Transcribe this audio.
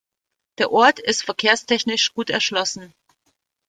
Der Ort ist verkehrstechnisch gut erschlossen.